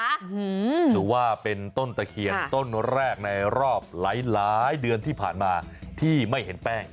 ถือว่าเป็นต้นตะเคียนต้นแรกในรอบหลายเดือนที่ผ่านมาที่ไม่เห็นแป้ง